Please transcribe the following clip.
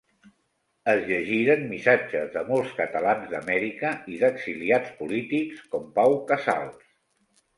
Es llegiren missatges de molts catalans d'Amèrica i d'exiliats polítics com Pau Casals.